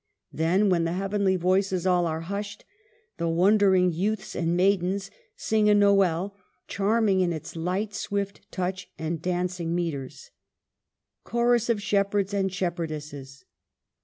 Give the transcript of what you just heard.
Then, when the heavenly voices all are hushed, the wondering youths and maidens sing a Nowell, charming in its light, swift touch and dancing metres. Chorus of Shepherds and Shepherdesses.